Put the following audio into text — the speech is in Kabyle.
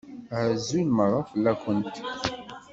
Azul meṛṛa fell-akent!